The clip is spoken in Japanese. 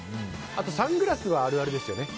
あと、サングラスはあるあるですよね。